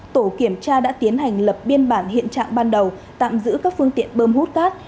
tổ kiểm tra đã tiến hành lập biên bản hiện trạng ban đầu tạm giữ các phương tiện bơm hút cát